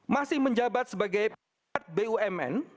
masih menjabat sebagai pejabat bumn